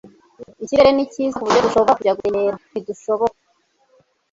ikirere ni cyiza, kuburyo dushobora kujya gutembera, ntidushobora